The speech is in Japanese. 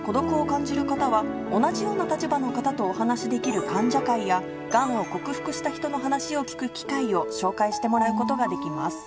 感じる方は同じような立場の方とお話しできる患者会やがんを克服した人の話を聞く機会を紹介してもらうことができます。